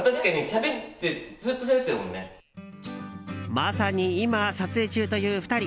まさに今、撮影中という２人。